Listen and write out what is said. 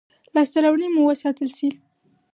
لاسته راوړنې مو وساتل شي.